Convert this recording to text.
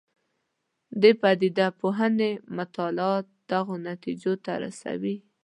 د پدیده پوهنې مطالعات دغو نتیجو ته رسوي.